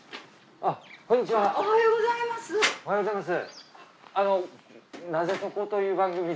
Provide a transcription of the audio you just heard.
あぁおはようございます。